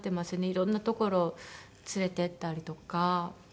いろんな所連れていったりとか。